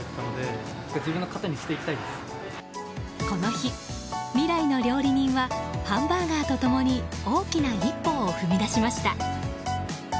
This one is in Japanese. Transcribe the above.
この日、未来の料理人はハンバーガーと共に大きな一歩を踏み出しました。